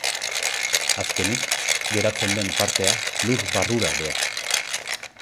Azkenik, geratzen den partea lur barrura doa.